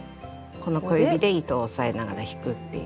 この小指で糸を押さえながら引くっていう。